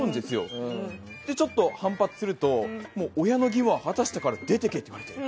それで、ちょっと反発するともう親の義務は果たしたから出て行けとか言って。